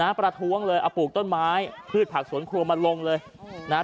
ประท้วงเลยเอาปลูกต้นไม้พืชผักสวนครัวมาลงเลยนะฮะ